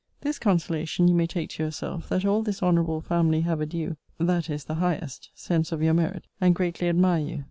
This consolation you may take to yourself, that all this honourable family have a due (that is, the highest) sense of your merit, and greatly admire you.